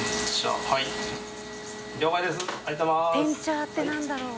「天チャー」って何だろう？